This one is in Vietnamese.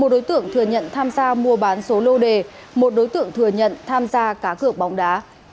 một đối tượng thừa nhận tham gia mua bán số lô đề một đối tượng thừa nhận tham gia cá cược bóng đá